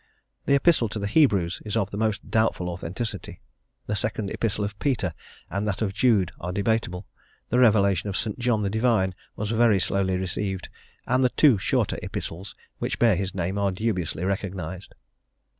The Epistle to the Hebrews is of most doubtful authenticity. The 2nd Epistle of Peter and that of Jude are debatable. The Revelation of St. John the Divine was very slowly received, and the two shorter Epistles which bear his name are dubiously recognised.